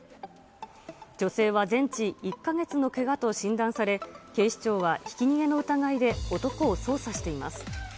女性は全治１か月のけがと診断され、警視庁はひき逃げの疑いで、男を捜査しています。